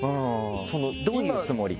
どういうつもりか？